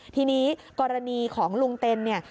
ทีนี้กรณีของลุงเต็นเนี่ย